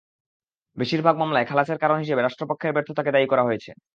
বেশির ভাগ মামলায় খালাসের কারণ হিসেবে রাষ্ট্রপক্ষের ব্যর্থতাকে দায়ী করা হয়েছে।